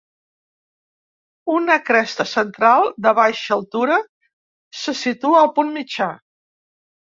Una cresta central de baixa altura se situa al punt mitjà.